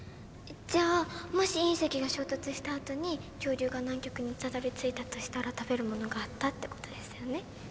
じゃあもし隕石が衝突したあとに恐竜が南極にたどりついたとしたら食べるものがあったってことですよね？